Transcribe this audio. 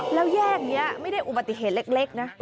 แล้วแยกนี้ไม่ได้อุบัติเหตุเล็กนะ